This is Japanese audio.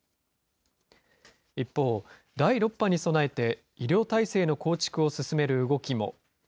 一方、第６波に備えて、医療体制の構築を進める動きも。